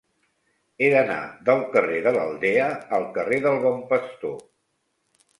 He d'anar del carrer de l'Aldea al carrer del Bon Pastor.